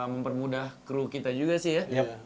mempermudah kru kita juga sih ya